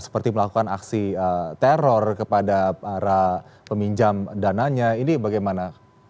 seperti melakukan aksi teror kepada para peminjam dananya ini bagaimana